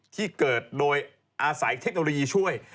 ที่เกิดโดยอาศัยเทคโนโลยีช่วย